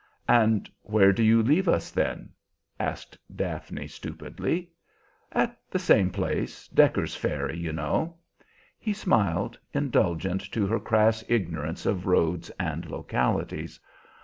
"And where do you leave us, then?" asked Daphne stupidly. "At the same place, Decker's Ferry, you know." He smiled, indulgent to her crass ignorance of roads and localities.